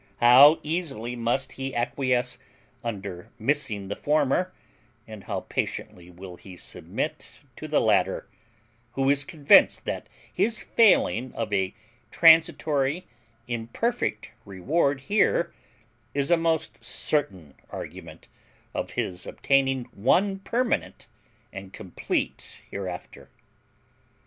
How easily must he acquiesce under missing the former, and how patiently will he submit to the latter, who is convinced that his failing of a transitory imperfect reward here is a most certain argument of his obtaining one permanent and complete hereafter!